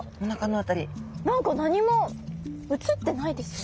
何か何も映ってないですよね。